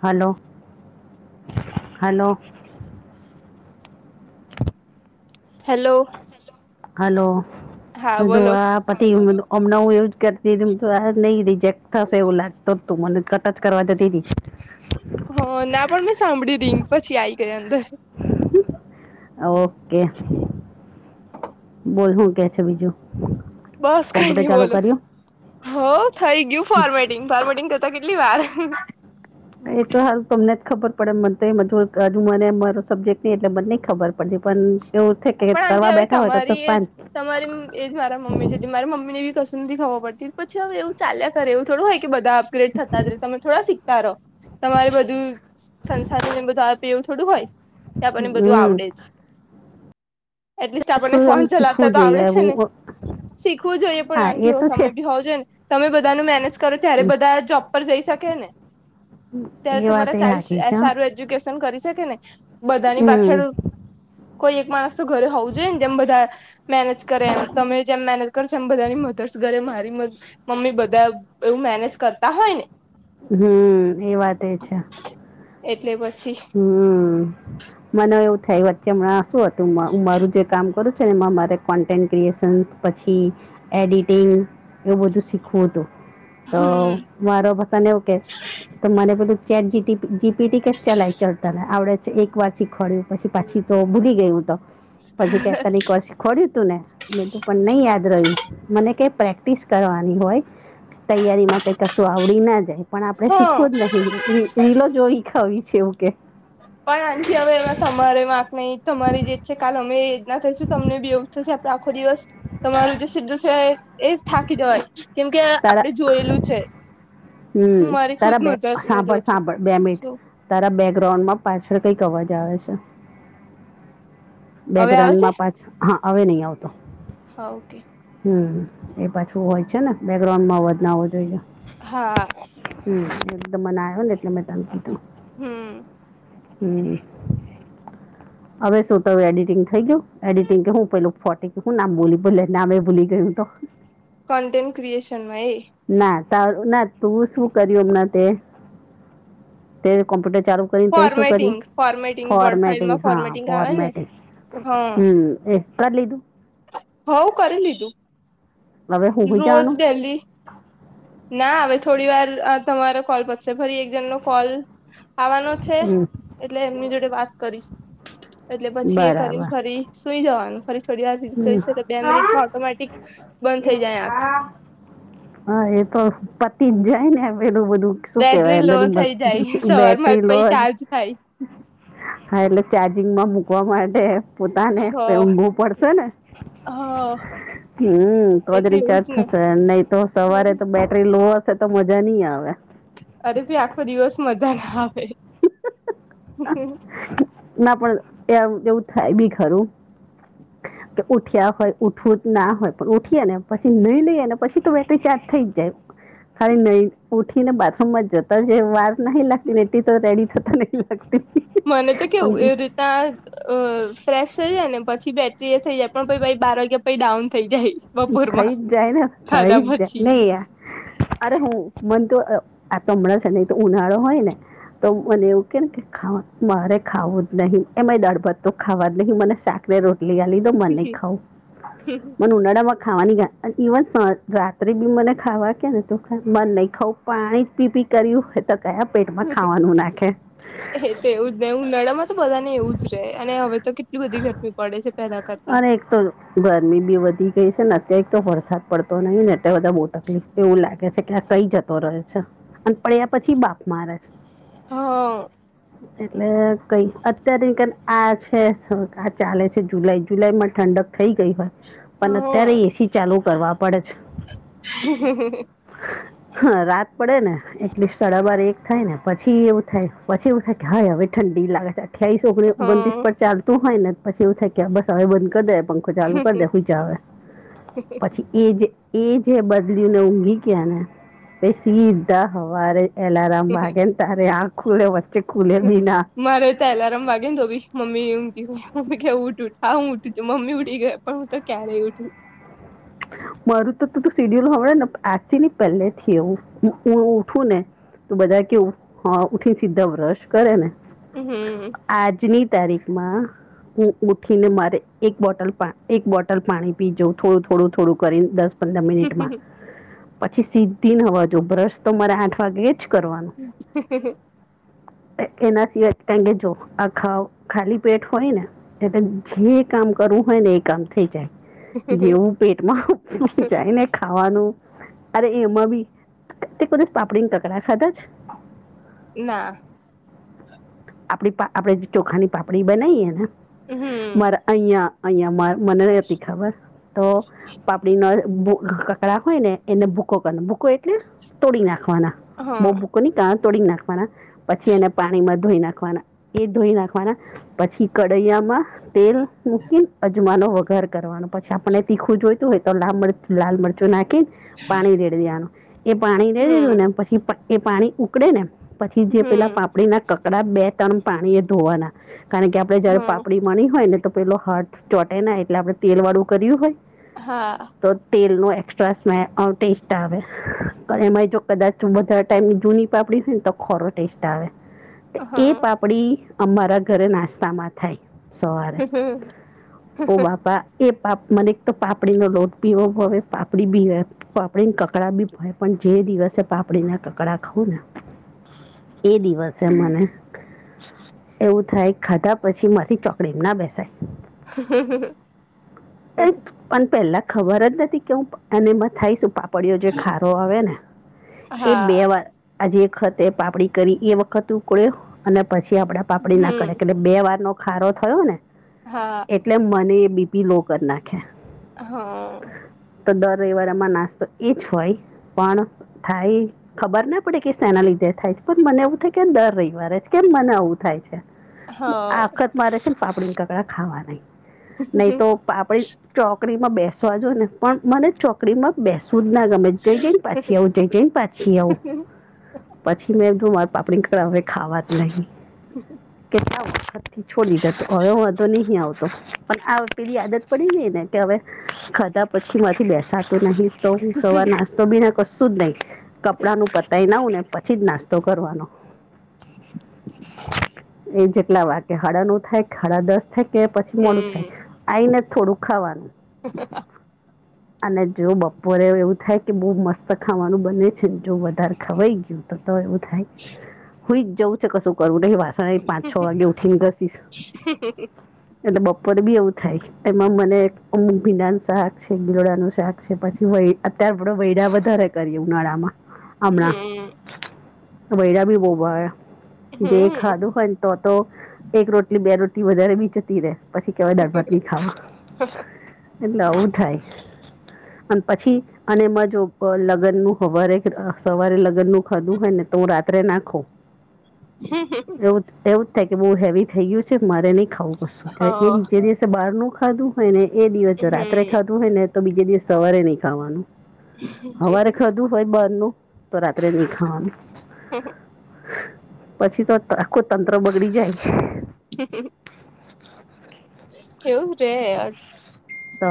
હાલો, hello. Hello. Hello હા બોલો દોઆ આપ. પછ હમણાં હું એવું કરતી નહી રિજેક્ટ થાશે એવું લાગતો તું મને ટચ કરવા જતી તી. ના પણ મેં સાંભળી હતી પછી આઈ ગય અંદર. ઓકે. બોલ હું કે છે બીજું? બસ કઈ કોમ્પ્યુટર નહી ચાલુ બોલું, કર્યું હો થઈ ગયું ફોર્મેટિંગ. ફાર્મેટિંગ કરતા કેટલી વાર. એ તો હાલ તમને જ ખબર પડે મને તો હજુ મને મારો સબ્જે્ટ નહી એટલે મને નહી ખબરે. પણ એવું થ કે પણ આંટી કરવા હવે બેઠા હોય તો તમારી એજ ફક્ત એમ તમારી એ જ મારા મમ્મી છે મારી મમ્મીને એવી કશું નથી ખબર પડતી પછી હવે એવું ચાલ્યા એવ થોડુ હોય કે બધા અપગ્રેડ થતા જ રે તમે થોડા શીખતા રહો. તમારે બધું સંસાર બધું આવડું થોડું હોય કે આપણને બધું હમ આવડે જ. એટલીસ્ટ આપણને થોડું આમ ફોન ચલાવતા શીખવું તો આવડે જોઈએ છે ને. હું શીખવું જોઈએ પણ હા આ કે એ તો છે સમય બી હોવો જોઇયેને તમે બધાનું મેનેજ કરો ત્યારે બધા જોબ પર જઈ શકે ને. ત્યારે એ વાત એ તમારા સાચી છે [unintelligible] સારું એજ્યુકેશન કરી શકે ને બધાની હમ પાછળ કોઈ એક માણસ તો ઘરે હોવું જોઈએ ને. જેમ બધા મેનેજ કરે એમ તમે જેમ મેનેજ કરો છો એમ બધાની મધર્સ કરે મારી મમ્મી બધા એવું મેનેજ કરતા હોય ને. હમ એ વાત એ છે. એટલે પછી હમ, મને એવું થાય વચ્ચે હમણાં શું હતું. મારું જે કામ કરું છુંને એમાં મારે કોન્ટેન્ટ ક્રિએશન પછી એડિટિંગ એવું બધું શીખવું હતું. તો હમ મારો બધાને ઓકે તો મને બોલું ચેટ જીપીટી ચઢતા ને આવડે એક વાર શીખવાડ્યું પછી પાછી તો ભૂલી ગઈ હું તો પછી કે તને એક પછી ખોડ્યું તું ને તું પણ નહી યાદ રહ્યું મને ક પ્રેક્ટિસ કરવાની હોય. તૈયારી માં કંઈ કશું આવડી ન જાય. પણ આપણે હા શીખવું જ નહી રીલો જોવી ખાવી છે એવું કે. પણ આન્ટી હવે એમાં તમારે વાક નહી. તમારી જે છે કાલ અમે ના થઈશું તમને બી એવું થશે આખો દિવસ તમારું સીધું સાહેબ એ જ થાકી જવાય કેમ કે તારા આપડે જોયેલું છે. હમ, હું મારી ખુદ તારા બે મધર્સ ને જોઉં સાંભળ છું -સાંભળ બે મિનિટ શું તારા બેકગ્રાઉન્ડ માં પાછળ કઈક અવાજ આવે છે. હવે આવે છે બેકગ્રાઉન્ડમાં પાછ હા હવે નહી આવતો. હા ઓકે. હમ, એ પાછું હોય છે ને બેકગ્રઉન્ડમાં અવાજ ના આવો જોઈએ. હા. હમ, એકદમ મને આયોને એટલે મે તને કીધું. હમ. હમ. હવે શું તારુ એડિટિંગ થઈ ગયું? એડિટિંગ કે હું પેલું ફોટી કે હું નામ બોલી ભલે નામે ભૂલી ગયી હું તો. કન્ટેન્ટ ક્રિએશનમાં એ. ના તાર ના તું શું કર્યું હમણાં તે? તે કોમ્પ્યુટર ચાલુ તે શું ફોર્મેટિંગ કર્યું ફોર્મેટિંગ વર્ડ ફોર્મટિંગ ફાઇલમાં હા, ફોર્મેટિંગ આવે ને ફોર્મટિંગ. હા હમ એ કર લીધું. હોઅ કરી લીધું. હવે હું હોઈ રોજ જવાનું ડહેલી ના હવે થોડી વાર આ તમારો કોલ, ફરી પછી એક જણનો કોલ આવાનો છે હમ, એટલે એમની જોડે વાત કરીશ. એટલે પછી એ કરીને બરાબર ફરી સુઈ જવાનું. ફરી થોડી વાર હમ. જોઈશુ કે બે મિનિટમાં ઓટોમેટિક બંધ થઈ જાય આંખ એહા! હા, એતો પતિ જ જાય ને પેલું બધું. શું બેટરી કેવાયને લો અંદરનું થઈ જાય બધું સવારમાં બેટરી લો પહી જ ચાર્જ થાય હા, એટલે ચાર્જિંગમાં મુકવા માટે પોતાને હ પેઘું બો પડ હને, હ હમ તો એ જ રીચાજ એવું ને થશે. નહી તો સવારે તો બેટરી લો હશે તો મજા ની આવે. અરે ભી આખો દિવસ મજા ના આવે. ના પણ ત્યાં એવું થાય બી ખરું. કે ઉઠ્યા હોય ઉઠવું જ ના હોય પણ ઉઠીએ ને પછી નઈ લઈએને પછી તો બેટરી ચાર્જ થઈ જ જાય. કાઈ નઈ ઉઠી ને બાથરૂમમાં જતા જે વાર નથી લાગતી ને એલી તો રેડી થતા ને શકતિ. મને તો કેવું એવી રીત ત્યાં અહ ફ્રેશ થઈ જાય ને પછી બેટરી એ થઈ જાય પણ પહી બાર વાગ્યા પઈ ડાઉન થઈ જાય બપોરમાં થઈ જ જાય ને થઈ ખાધા જ પછી. જાય નહીં યાર અરે હું મનતો અ આ તો હમણાં છે નહી તો ઉનાળો હોય ને તો મને એવું કે ને કે ખા મારે ખાવું જ નહી એમાં દડભાત્તતો ખાવા જ નહીં મને શાક બે રોટલી આલી દો મને ન ખાવું મને ઉના પોણ ખાવાની જા ઇવન સ રાત્રે બી મને ખાવા કે ને તો મારે નહીં ખાવુ પણ પાણી પી પી કર્યું એ તો કયા પેટમાં ખાવાનું નાખે. એ તો એવું ને ઉનાળામાં તો બધા ને એવું જ રહે અને હવે તો કેટલી બધી ગરમી પડે છે. પેલા કરતા અને એક તો ગરમી બી વધી ગઈ છે ને અત્યારે એક તો વરસાદ પડતો નહી ને એટલે બધા બો તકલીફ એવું લાગે છે. કયા કઈ જતો રહે છે અને એના પડ્યા પછી બાફ મારે છે. હા. એટલે કઈ અત્યારે કે આ છે આ [unintelligible] ચાલે છે જુલાઈ જુલાઈમાં ઠંડક થઈ ગઈ હોય પણ અત્યારે હા એસી ચાલુ કરવા પડે છે. હિ હિ હી એ. હ હા રાત પડે ને એટલી સાડા બાર એક થાય ને પછી એવું થાય પછી એવું થાય કે હા હવે ઠંડી લાગે છે અઠ્યાઈસ ઓગણી ઓગણ્રીસ હા પર ચાલતું હોય ને પછી એવ થાય કે બસ હવે બંધ કરી દેવાય પંખો. પંખો ચાલુ કર દે હૂયજા હવે પછી એ જે એ જે બદલી ને ઊંઘી ગ્યા ને પ સીધા હવારે એલારમ વાગે એ તારે આંખ ખુલે વચ્ચે ખુલે ભીના મારે તો એલારમ વાગે નો ભી મમ્મી એમ મમી કેવ ઉટ ઉઠા હું ઉઊું છુંમ્મી ઉડી ગયો પણ હું તો ક્યારેય ઉઠું મારું તું તું તું સીડ્યુલ હડે ને આજથી પહેલે થી એવું ઉ ઉઠવું ને તો બધા કેવું હા ઉઠી સીધા બ્રશ કરે ને અ હે આજની તારીખમાં ઉ ઉઠીને ને મારે એક બોટલ પા એક બોટલ પાણી પીજવું થોત થોડું થોડું કરીન દસ પંદર મિનિટમાં પછી સીધી નવાજો બ્રશ તો મારે આઠ વાગે જ કરવાનું એ એના સિવાય એને જો આખા ખાલી પેટ હોય ને એટલે જે કામ કરવું હોય ને એ કામ થઈ જાય જેવું પેટમાં જાય ને ખાવાનું અરે એમાં બી તે કદાચ પાપડીને કકડા ખાદા છે? ના આપડી આપડે ચોખાની પાપડી બનાવીએ ને હમ મારા અહીંયા અહીંયા મા મને રહેતી ખબર તો પાપડી ન ભૂ કકડા હોય ને એને ભૂકો કર ભૂકો એટલે તોડી નાખવાના. બો હા બુક કોને [unintelligible] તોડી નાખવાના પછી એને પાણીમાં ધોઈ નાખવાના ઈ ધોઈ નાખવાના પછી કઢૈયામાં તેલ મૂકીન અજમાનો વઘાર કરવાનો પછી આપણે તીખું જોઈતું હોય તો લાર મર લાલ મરચું નાખીન પાણી રેડી દેવાનું એ પાણી રેડી દીધું હમ ને પછી પટ એ પાણી ઉકળે ને પછી જે પેલા હમ પાપ ડીના કકડા બે ત્રણ પાણી એ ધોવાના કારણ કે આપડે જયારે હા પાપડી વણી હોય ને તો પેલો હથ ચોટેને એટલે આપડણે તેલ વાળું કર્યું હોય હા. તો તેલનો એક્સ્ટ્રા સ્મે અ ટેસ્ટ આવે પર એમાંએ જો કદાચ વધારે ટાઈમ જૂની પાપડી હોય ને તો ખોરો ટેસ્ટ આવે એ હા પાપડી અમારા ઘરે નાસ્તામાં થાય સવારે ઓ બાપા એ પાપ મને તો પાપડીનો લોટ પીવો હવે પાપડી બીવે પાપડીને કકડા ભી ભય પણ જે દિવસે પાપડીના કકડા ખાવું ને એ દિવસે મને એવું થાય ખાધા પછી માંથી ચોકડી માં ના બેસાય હ એ પણ પેલા ખબર જ નથી કેવું અને એમાં થાય શું પાપ ડીયો જે ખારો આવે ને એ હા બે વાર આજે ખતે પાપડી કરી એ વખત ઉકળ્યો અને પછી આપડે પાપડીના કરે કે હમ એટલે બે વારનો ખારો થયો ને? હા. એટલે મને એ બીપી લો કરી નાખે. હ અ અ અ તો દર રવિવારે અમાર નાસ્તો એ જ હોય પણ થાય ખબર ના પડે કે શેના લીધે થાય છે પણ મને એવું થાય કેમ દર રવિવારે જ કેમ મને આવવું થાય છે? તો આ હા વખત મારે છે ને પાપડીના કકડા ખાવા નહી, નહી તો પાપડી ચોકડીમાં બેસવા જવું ને પણ મને ચો કડીમાં બેસું જ ના ગમે જઈ જઇને પાછી આવું, જઈ જઇને પાછી આવું. પછી મેં એમ કીધું મારા પાપડી કકડા હવે ખાવા જ નહી. કેટલા વખતથી છોડી દીધા તો હવે વોંધો નહી આવતો પણ આ પેલી આદત પડી ગઈન ને કે હવે ખાધા પછી મારાથી બેસાતું નહી તો સવાર નાસ્તો ભી ના કશું જ નહી. કપડાનું પતાઈ ને આવુંને પછી જ નાસ્તો કરવાનો એ જેટલા વાગે હાડા નવ થાય કે હાડા દસ થાય કે પછી મોડું હમ થાય આઈને જ થોડું ખાવાનું અને જો બપોરે એવું થાય કે બહુ મસ્ત ખાવાનું બને છે ને જો વધારે ખવાઈ ગયું તો તો એવું થાય હ હુંઈ જ જવું છે કશું કરવું નહી વાસણએ પાંચ છ વાગે ઉઠીને ઘસીશ એટલે બપોરે ભી એવું થાય માં મને એક અમુક ભીંડાનું શાક છે, ગીલોડાનું શાક છે પછી વઇ અત્યારે આપડ વૈડા વધારે કરીએ ઉનાળામાં હમણા હમ તો વૈડા ભી બઉ ભાવે દે હમ ખાધું હોયન તો તો એક રોટલી બે રોટલી વધારે ભી જતી રે પછી કહેવાય દાળભાત નહી ખાવા. હા એટલે આવું થાય અને પછી અને એમાં જો અહ લગ્નનું હવારે સવારે લગ્નનું ખાધું હોય ને તો હ રાત્રે નાખો [inaudible] હે. એવું જ થાય કે બહુ હેવી થઈ ગયું છે મારે નહી ખાવું પું એ હા નીચે દિવસે બહાર નું ખાધું હોયને એ દિવસે રાત્રે હમ ખાધૂ હોય ને તો બીજે દિવસ સવારે નહી ખાવાનું. હવારે ખાધું હોય બાર નું તો રાત્રે નહી ખાવાનું. હમ્મ હમ્મ. પછી તો ત આખું તંત્ર બગડી જાય. હ. કેવું રે આજ. તો.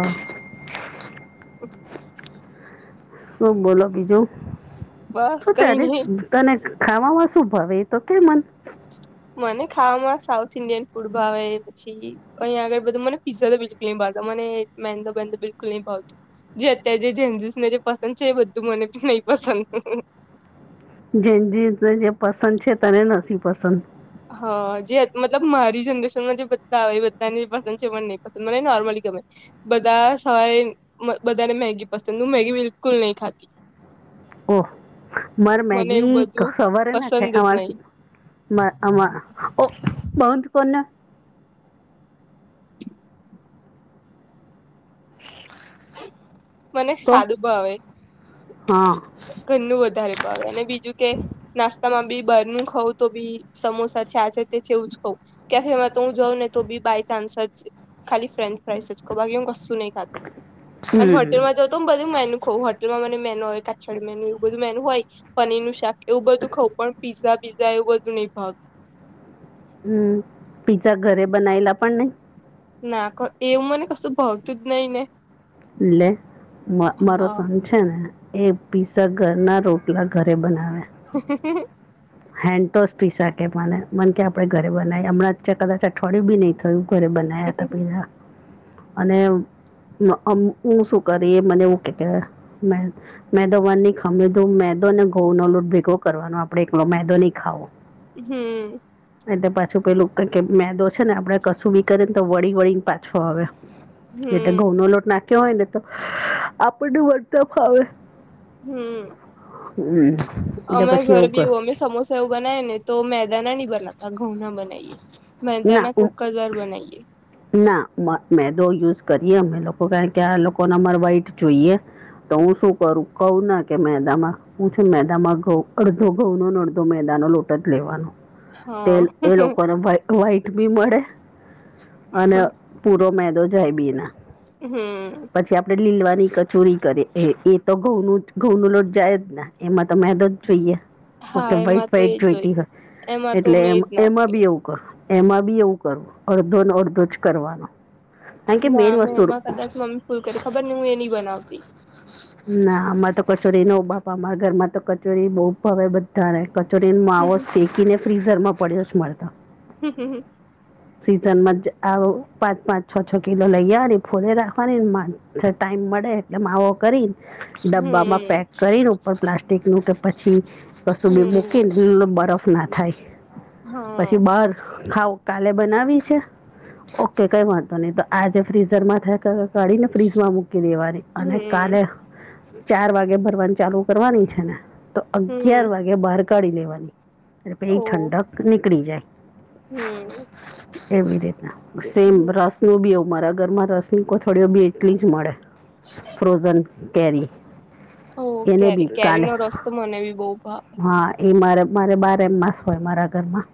શું બોલો બીજું. બસ શું કઈ તારે નહી તને ખાવામાં શું ભાવ એ તો કે મન મને ખાવામાં સાઉથ ઇન્ડિયન ફૂડ ભાવે પછી અહીંયા આગળ બધું મને પિઝા તો બિલકુલ નહીં ભાવતા મને મેહેંદો બેંદ બધું બિલકુલ નહીં ભાવતો. જે અત્યારે જે જેન્જિસ ને જે પસંદ છે એ બધું મને નહી પસંદ. જેન્જિસ ને જે પસંદ છે તને નથી પસંદ. હા જે મતલબ મારી જનરેશનમાં જે બધા આવે એ બધાને પસંદ છે પણ નહીં પસંદ મને નોર્મલી ગમે. બધા સવારે બધાને મેગી પસંદ હૈ. હું મેગી બિલકુલ ખાત ઓહ મારે મને એવું મેગી બધું સવારે ના પસંદ ખાય જ અમાર નહી માં આમાં ઓ બંધ કરને. મને તો સાદુ ભાવે. હા. ઘરનું વધારે ભાવે અને બીજું કે નાસ્તા માં બી બારનું ખઉં તો બી સમોસા છે છે તે છેવું જ ખઉ કેફેમાં તો હું જાઉં ને તો બી બાય ચાન્સ જ છે. ખાલી ફ્રેન્ચ ફ્રાઈઇસ જ બાકી હું કશું નહીં ખાત અને હોટેલ હમ માં જઉ તો હું બધું મેન્યુ ખઉં હોટેલમાં મ મેનુ હવે કા છે મેનું એવું બધું મેન હોય પનીર નું શાક એવું બધું ખઉં પણ પીઝા પીઝા એવું બધું નહીં ભાવ હમ્મ પિજા ઘરે બનાયલા પણ નહી? ના ક એવું મને કશું ભાવતું જ નહી ને. એટલે મા-મારો હા શાંત છે ને એ પીસા ઘર ના રોટલા ઘરે બનાવે. હ. [inaudible] હેન્ડ ટોસ પીસા કે મને આપડે ઘરે બનાવી હમણાં કદાચ અઠવાડિયી નહીં થયું ઘરે બન નાયા હતા પિઝા અને અમ્મ હું શું કરી એ મનેું કે કે મેં મેદો વાર નહી ખાીધું મેદો ને ઘઉં નો લોટ ભેગો કરવાનો આપડે એકલો મેદો નહી ખાવો. હમ્મ. એટલે પાછું પેલું ક મેદો છે ને આપડે કશું બી કરીને તો વળી વળી ને પાછો આવે. એટલે હમ ઘઉં નો લોટ નાખ્યો હોય ને તો આપણું વર્તા ફાવે. હમ્મ. હમ્મ. અમારે ઘરે બી એવું અમે સમોસા એવું બનાય ને તો મેદાના નની બનાતા ઘઉં ના બનાવીએ. મેદા ના કોક કાઝ વાર બનાઈએ. ના મ મેદો યુઝ કરીએ અમે લોકો કારણ કે આ લોકો ન અમાર વાઈટ જોઈએ. તો હું શું કરું કહું ના કે મેદામાં, હું છું મેદામાં ઘઉં અડધો ઘઉં નો અડધો મેદાનો લોટ જ લેવાનો. હા તેલ એ લોકોને ભય વ્હાઈટ બી મળે અને પૂરો મેદો જાય બી ના. હમ, પછી આપડે લીલવાની કચોરી કરીએ એ તો ઘઉં ન ઘઉં નો લોટ જાય જ ને, એમાં તો મેદો જ જોઈએ, હા મ વ્હાઈટ એમાં તો એજ વ્હાઈટ જોય જોઈતી હોય એમાં તો એટલે એ મેં એજ એમાં નાખીએ. બી એવું, એમાં બી એવું કરો, અડધો ન અડધો જ કરવાનો. કારણ કે મેન વસ્તુર ફૂલ કરી ખબર ને હું એ ની બનાવતી. ના, આમારે તો કચોરી ન બાપા અમારા ઘરમાં કચોરી બહુ ભાવે બધા ને. કચોરીનો માવો હમ શેકી ને ફ્રીઝર માં પડ્યો છે મારે તો, હમ હમ, [inaudible] સિઝનમાં જ આવ પાંચ પાંચ છ છ કિલો લઈ આવાની ફોલે રાખવાની મા ટાઈમ મળે. માવો, કરી ડબ્બામાં પેક કરી ઉપર પ્લાસ્ટિક નું કે પછી કસુ બી હમ મૂકી ને, ખુલ્લો બરફ ના થાય પછી હા બાર ખાવ કાલે બનાવી છે ઓકે કઈ વાંધો નઇ તો આજે ફ્રીઝર માં થાય, કાઢીને ફ્રીજમાં મૂકી દેવાની અને, કાલે હમ ચાર વાગે ભરવાની ચાલુ કરવાની છે ને તો અગિયાર હમ વાગે બહાર કાઢી લેવાની એટલે પછી ઓ ઠંડક નીકળી જાય. હમ એવી રીતના સેમ રસ નું બી એવું મારા ઘરમાં રસ ન કોથોળિઓ બી એટલી જ મળે. ફ્રોઝન કેરી. ઓ એને કેરી ભી કેરી કાલે નો રસ તો મને બી બહુ ભાવ હા, એ મારે મારે બારે માસ હોય મારા ઘરમાં.